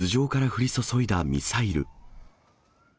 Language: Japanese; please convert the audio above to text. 市民の頭上から降り注いだミサイル。